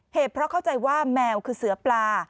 เหตุเพราะเข้าใจว่าแมวคือเสือปลา